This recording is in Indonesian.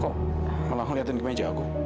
kok malah aku liatin kemeja aku